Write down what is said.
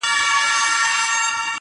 په زحمت چي پکښې اخلمه ګامونه.